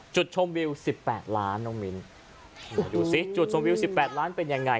จุดชมวิว๑๘ล้านน้องมิ้นดูสิจุดชมวิว๑๘ล้านเป็นยังไง